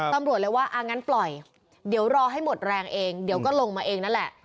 ตำรวจเลยว่าอ่างั้นปล่อยเดี๋ยวรอให้หมดแรงเองเดี๋ยวก็ลงมาเองนั่นแหละ